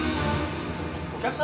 お客様